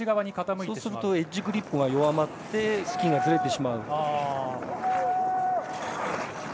そうするとエッジグリップが弱まってスキーがずれてしまう。